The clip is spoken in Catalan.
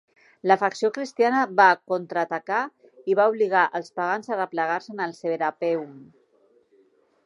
La facció cristiana va contra-atacar i va obligar els pagans a replegar-se al Serapeum.